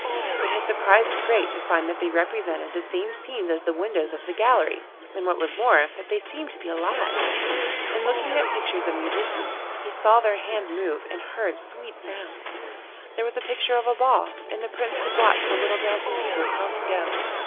But his surprise was great to find that they represented the same scenes as the windows of the gallery, and what was more, that they seemed to be alive. In looking at pictures of musicians he saw their hands move and heard sweet sounds; there was a picture of a ball, and the Prince could watch the little dancing people come and go.